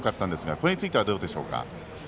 これについてはどうでしょうか？